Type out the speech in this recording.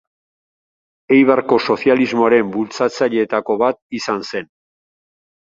Eibarko sozialismoaren bultzatzaileetako bat izan zen.